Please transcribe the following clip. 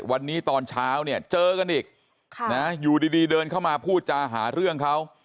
วันนี้ตอนเช้าเนี่ยเจอกันอีกอยู่ดีเดินเข้ามาพูดจาหาเรื่องเขา